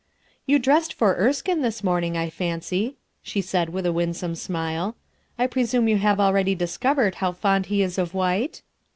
"You dressed for Erskine, this morning, I fancy/' she said with a winsome smile. "I presume you have already discovered how fond he is of white?"